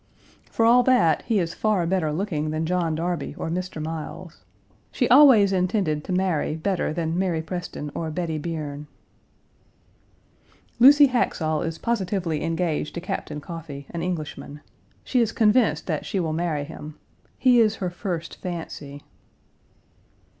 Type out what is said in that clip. For all that, he is far better looking than John Darby or Mr. Miles. She always intended to marry better than Mary Preston or Bettie Bierne. Lucy Haxall is positively engaged to Captain Coffey, an Englishman. She is convinced that she will marry him. He is her first fancy.